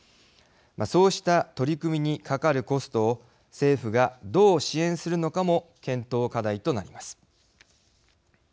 そうした取り組みにかかるコストを政府がどう支援するのかも検討課題となります。